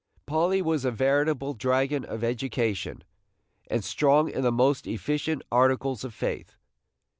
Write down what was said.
Polly was a veritable dragon of education, and strong in the most efficient articles of faith.